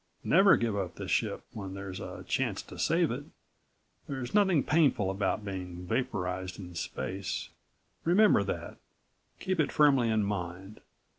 Never give up the ship when there's a chance to save it. There's nothing painful about being vaporized in space. Remember that, keep it firmly in mind.